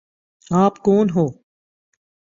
آپ کون ہو؟